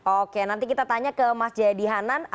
oke nanti kita tanya ke mas jayadi hanan